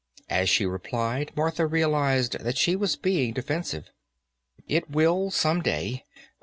As she replied, Martha realized that she was being defensive. "It will, some day.